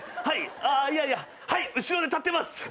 はい後ろで立ってます！